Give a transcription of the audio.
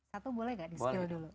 satu boleh nggak di skill dulu